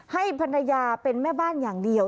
ให้ภรรยาเป็นแม่บ้านอย่างเดียว